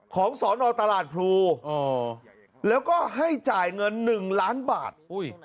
ของสอนอตลาดพลูอ๋อแล้วก็ให้จ่ายเงินหนึ่งล้านบาทอุ้ย